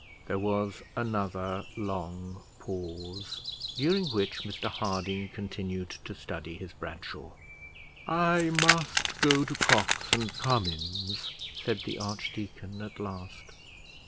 There was another long pause, during which Mr Harding continued to study his Bradshaw. "I must go to Cox and Cummins," said the archdeacon at last.